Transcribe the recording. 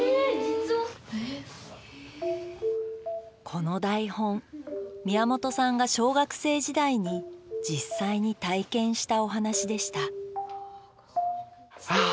この台本宮本さんが小学生時代に実際に体験したお話でしたああ